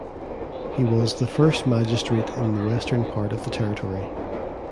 He was the first magistrate in the western part of the territory.